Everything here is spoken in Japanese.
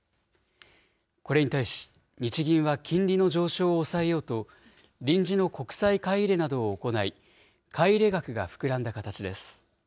これに対し、日銀は金利の上昇を抑えようと、臨時の国債買い入れなどを行い、買い入れ額が膨らんだ形です。